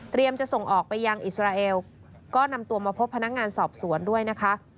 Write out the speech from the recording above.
จะส่งออกไปยังอิสราเอลก็นำตัวมาพบพนักงานสอบสวนด้วยนะคะ